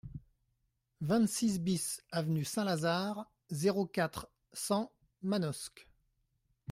vingt-six BIS avenue Saint-Lazare, zéro quatre, cent, Manosque